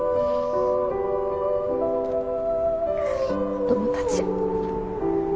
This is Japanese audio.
子供たち